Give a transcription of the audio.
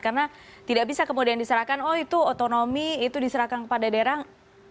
karena tidak bisa kemudian diserahkan oh itu otonomi itu diserahkan kepada daerah